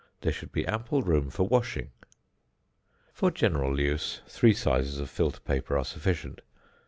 There should be ample room for washing. For general use three sizes of filter paper are sufficient.